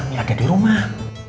semua anak anaknya ada di rumah